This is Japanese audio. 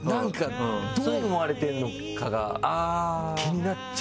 どう思われてるのかが気になっちゃうんですよ。